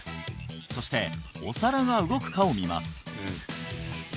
そしてお皿が動くかを見ます